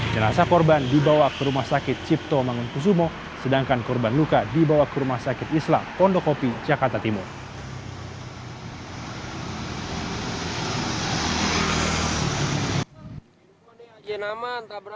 jenazah korban dibawa ke rumah sakit cipto mangunkusumo sedangkan korban luka dibawa ke rumah sakit islam pondokopi jakarta timur